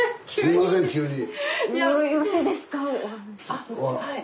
あっはい。